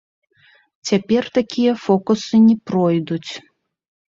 Цяпер такія фокусы не пройдуць.